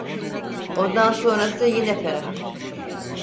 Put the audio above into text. Ondan sonrası yine ferah!